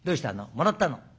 「もらったの」。